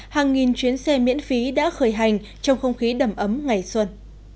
hàng nghìn chuyến xe miễn phí đã khởi hành trong không khí đầm ấm ngày xuân